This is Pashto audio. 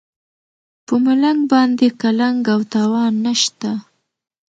په ملنګ باندې قلنګ او تاوان نشته.